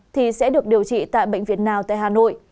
thì sẽ được điều trị tại bệnh viện nào tại hà nội